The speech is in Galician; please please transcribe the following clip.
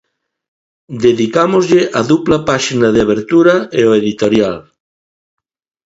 Dedicámoslle a dupla páxina de abertura e o editorial.